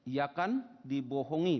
ia akan dibohongi